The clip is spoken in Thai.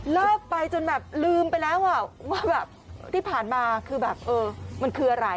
เลิกไปจนแบบลืมไปแล้วว่าแบบที่ผ่านมาคือแบบเออมันคืออะไร